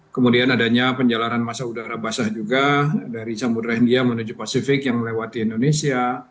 kemudian adanya penjalanan masa udara basah juga dari samudera india menuju pasifik yang melewati indonesia